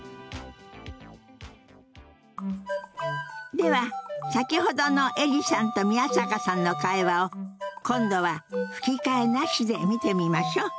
では先ほどのエリさんと宮坂さんの会話を今度は吹き替えなしで見てみましょう。